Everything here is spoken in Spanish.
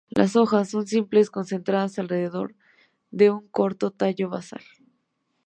Las hojas son simples concentradas alrededor de un corto tallo basal.